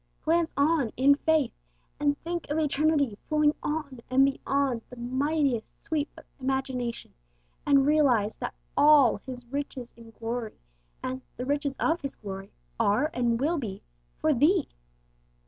Glance on in faith, and think of eternity flowing on and on beyond the mightiest sweep of imagination, and realize that all 'His riches in glory' and 'the riches of His glory' are and shall be 'for thee!'